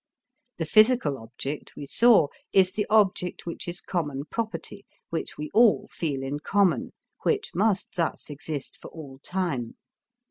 The physical object, we saw, is the object which is common property, which we all feel in common, which must thus exist for all time.